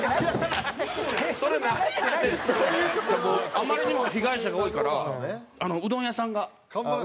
あまりにも被害者が多いからうどん屋さんが。